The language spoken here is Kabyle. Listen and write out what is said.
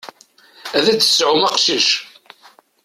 Ad d-tesɛum aqcic.